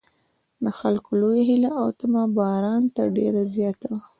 د خلکو لویه هیله او تمه باران ته ډېره زیاته وه.